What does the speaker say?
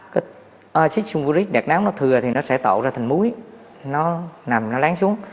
cái acid sunguric đẹp náo nó thừa thì nó sẽ tạo ra thành muối nó nằm nó láng xuống